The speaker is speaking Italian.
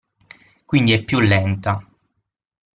Quindi è più "lenta".